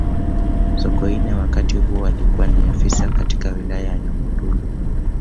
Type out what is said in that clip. sokoine wakati huo alikuwa ni afisa katika wilaya ya monduli